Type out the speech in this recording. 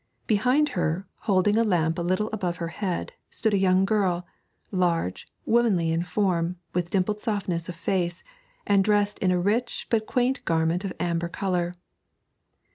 Behind her, holding a lamp a little above her head, stood a young girl, large, womanly in form, with dimpled softness of face, and dressed in a rich but quaint garment of amber colour.